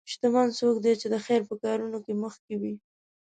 شتمن څوک دی چې د خیر په کارونو کې مخکې وي.